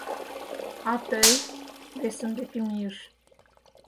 — А тый! — весын деке мийыш.